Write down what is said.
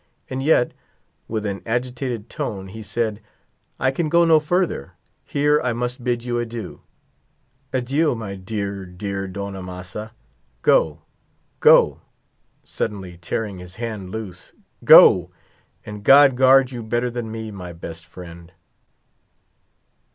And yet, with an agitated tone, he said, "I can go no further; here I must bid you adieu. Adieu, my dear, dear Don Amasa. Go—go!" suddenly tearing his hand loose, "go, and God guard you better than me, my best friend."